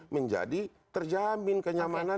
menjadi terjamin kenyamanan